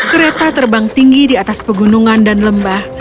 kereta terbang tinggi di atas pegunungan dan lembah